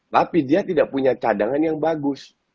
tapi dia tidak punya cadangan yang bagus